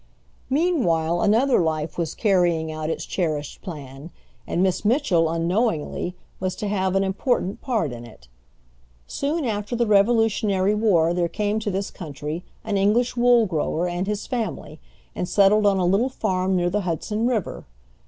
Meanwhile another life was carrying out its cherished plan, and Miss Mitchell, unknowingly, was to have an important part in it. Soon after the Revolutionary War there came to this country an English wool grower and his family, and settled on a little farm near the Hudson River.